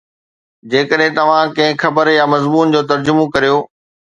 جيڪڏھن توھان ڪنھن خبر يا مضمون جو ترجمو ڪريو